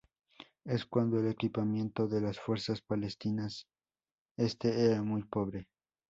En cuanto al equipamiento de las fuerzas palestinas, este era muy pobre.